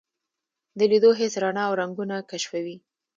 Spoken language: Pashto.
د لیدو حس رڼا او رنګونه کشفوي.